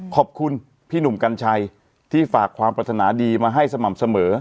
ขอบคุณพี่หนุ่มกัญชัยที่ฝากความปรัฐนาดีมาให้สม่ำเสมอ